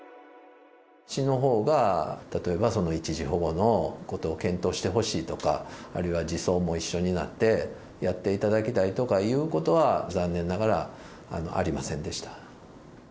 市のほうが、例えばその一時保護のことを検討してほしいとか、あるいは児相も一緒になってやっていただきたいとかいうことは、残念ながらありませんでした。